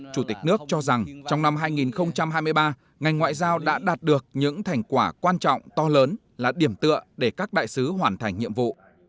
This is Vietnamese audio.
chủ tịch nước cho rằng trong năm hai nghìn hai mươi ba ngành ngoại giao đã đạt được những thành quả quan trọng to lớn là điểm tựa để các đại sứ hoàn thành nhiệm vụ